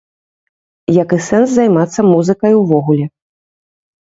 Як і сэнс займацца музыкай увогуле.